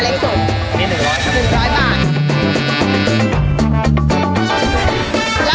เล็กสุดนี่หนึ่งร้อยหนึ่งร้อยบาท